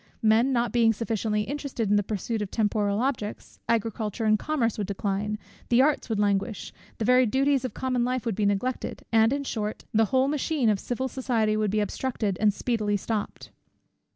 Men not being sufficiently interested in the pursuit of temporal objects, agriculture and commerce would decline, the arts would languish, the very duties of common life would be neglected; and, in short, the whole machine of civil society would be obstructed, and speedily stopped.